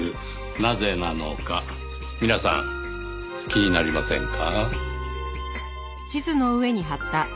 なぜなのか皆さん気になりませんか？